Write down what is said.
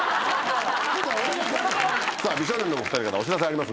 「美少年」のお２人からお知らせありますね。